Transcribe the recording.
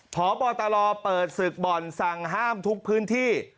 พบตลเปิดศึกบ่อนสั่งห้ามทุกพื้นที่